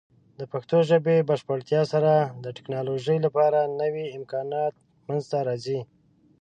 د پښتو ژبې بشپړتیا سره، د ټیکنالوجۍ لپاره نوې امکانات منځته راځي.